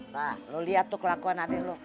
nah lu lihat tuh kelakuan adik lu